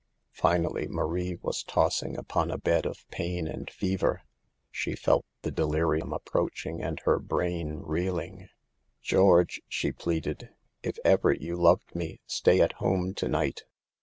Finally Marie was tossing upon a bed of pain and fever. She felt the delirium approach ing and her brain reeling. " George," she pleaded, "if ever you loved me, stay at home to night.